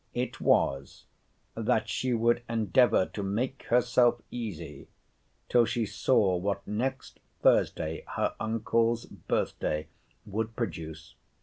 It was, That she would endeavour to make herself easy till she saw what next Thursday, her uncle's birth day, would produce.